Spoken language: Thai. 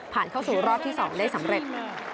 เข้าสู่รอบที่๒ได้สำเร็จ